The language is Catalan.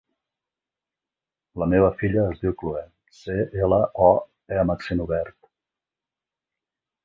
La meva filla es diu Cloè: ce, ela, o, e amb accent obert.